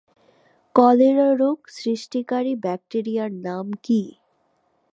Cholera রোগ সৃষ্টিকারী ব্যাকটেরিয়ার নাম কী?